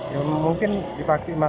ya mungkin dipakai masker ya semuanya